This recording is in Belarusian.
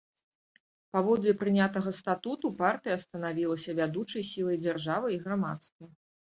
Паводле прынятага статуту, партыя станавілася вядучай сілай дзяржавы і грамадства.